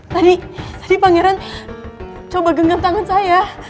tadi tadi pangeran coba genggam tangan saya